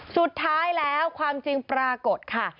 สุดท้ายแล้วความจริงปรากฏค่ะ